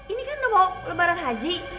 ini kan mau lebaran haji